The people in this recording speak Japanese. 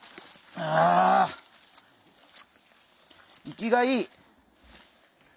生きがいい！